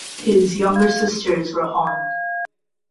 His younger sisters were Hon.